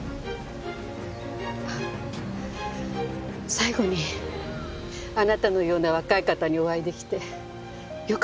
最後にあなたのような若い方にお会い出来てよかったです。